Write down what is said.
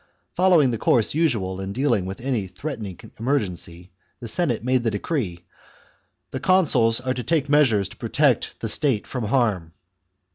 Following the course usual in dealing with any threatening emergency, the Senate made the decree :" The consuls are to take measures to protect the state from harm."